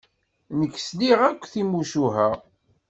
Nekk sliɣ akk timucuha.